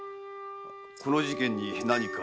この事件に何か？